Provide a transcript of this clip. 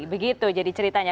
begitu jadi ceritanya